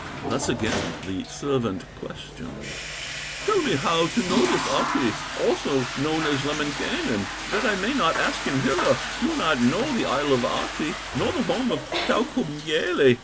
Thus again the servant questions: "Tell me how to know this Ahti, Also known as Lemminkainen, That I may not ask him hither; Do not know the isle of Ahti, Nor the home of Kaukomieli!"